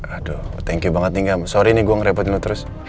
aduh thank you banget nih gak sorry nih gue ngerepotin lo terus